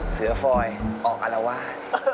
เสือฟอยออกอัลลาว่า